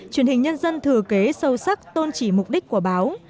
truyền hình nhân dân thừa kế sâu sắc tôn trì mục đích của báo